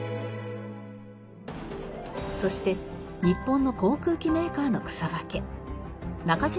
そして日本の航空機メーカーの草分け中島